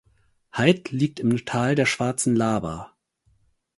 Haid liegt im Tal der Schwarzen Laber.